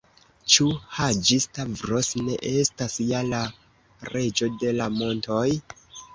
Ĉu Haĝi-Stavros ne estas ja la Reĝo de la montoj?